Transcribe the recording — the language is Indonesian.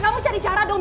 kamu bisa berisik deh